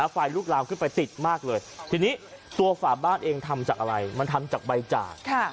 ไฟลุกลามขึ้นไปติดมากเลยทีนี้ตัวฝาบ้านเองทำจากอะไรมันทำจากใบจาก